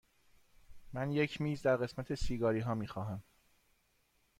من یک میز در قسمت سیگاری ها می خواهم.